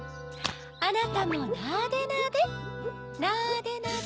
あなたもなでなでなでなで。